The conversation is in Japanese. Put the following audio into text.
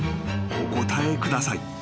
お答えください］